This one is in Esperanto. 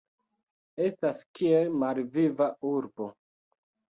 Estas kiel malviva urbo.